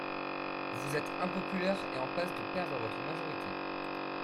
Vous êtes impopulaire et en passe de perdre votre majorité.